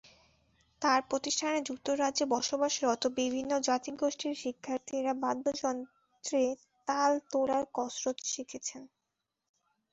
তাঁর প্রতিষ্ঠানে যুক্তরাজ্যে বসবাসরত বিভিন্ন জাতিগোষ্ঠীর শিক্ষার্থীরা বাদ্যযন্ত্রে তাল তোলার কসরত শিখছেন।